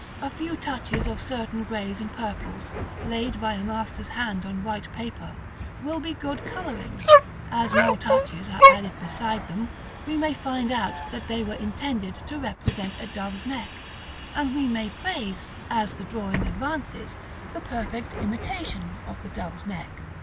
A few touches of certain greys and purples laid by a master's hand on white paper, will be good coloring; as more touches are added beside them, we may find out that they were intended to represent a dove's neck, and we may praise, as the drawing advances, the perfect imitation of the dove's neck.